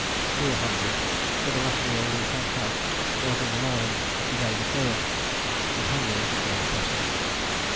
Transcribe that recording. We were hungry, for the last meal we had had was in the morning of the day before, but hunger was not very pressing.